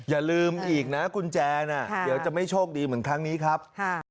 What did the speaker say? อย่าลืมอีกนะกุญแจน่ะเดี๋ยวจะไม่โชคดีเหมือนครั้งนี้ครับ